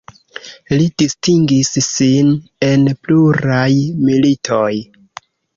Li distingis sin en pluraj militoj.